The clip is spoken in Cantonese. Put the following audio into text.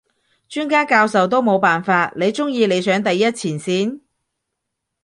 專家教授都冇辦法，你中意你上第一前線？